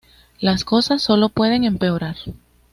Las cosas sólo pueden empeorar.